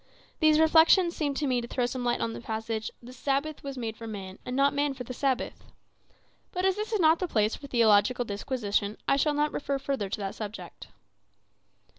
These reflections seemed to me to throw some light on the passage, "The sabbath was made for man, and not man for the sabbath." But as this is not the place for theological disquisition, I shall not refer further to that subject.